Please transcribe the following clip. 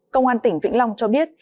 công an tỉnh vĩnh long cho biết